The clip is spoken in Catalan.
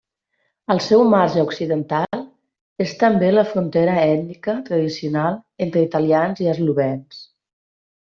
El seu marge occidental és també la frontera ètnica tradicional entre italians i eslovens.